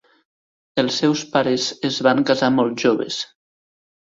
Els seus pares es van casar molt joves.